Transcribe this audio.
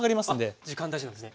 あっ時間大事なんですね。